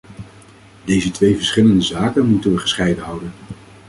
Deze twee verschillende zaken moeten we gescheiden houden.